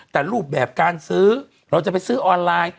แต่รูปแบบการซื้อเราจะไปซื้อออนไลน์